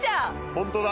ホントだ。